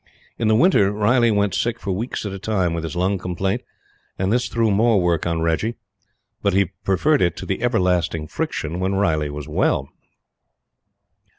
In the winter Riley went sick for weeks at a time with his lung complaint, and this threw more work on Reggie. But he preferred it to the everlasting friction when Riley was well.